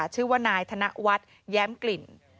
ชื่อว่านายธนวัฒน์แย้มกลิ่น